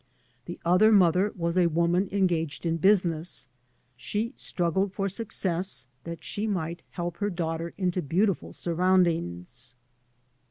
The other mother was a woman engaged in business; she struggled for success that she might help her daughter into beautiful surroundings.